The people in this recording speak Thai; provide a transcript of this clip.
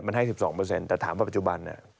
มันให้๑๒แต่ถามว่าปัจจุบัน